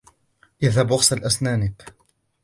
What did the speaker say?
إذهب واغسل أسنانك.